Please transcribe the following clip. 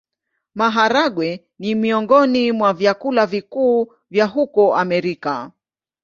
Maharagwe ni miongoni mwa vyakula vikuu vya huko Amerika.